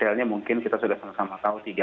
detailnya mungkin kita sudah sama sama tahu